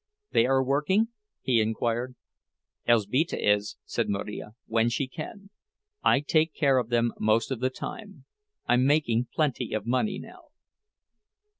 "They are working?" he inquired. "Elzbieta is," said Marija, "when she can. I take care of them most of the time—I'm making plenty of money now."